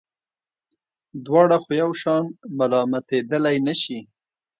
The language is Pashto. دواړه خو یو شان ملامتېدلای نه شي.